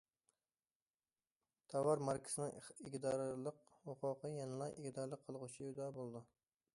تاۋار ماركىسىنىڭ ئىگىدارلىق ھوقۇقى يەنىلا ئىگىدارلىق قىلغۇچىدا بولىدۇ.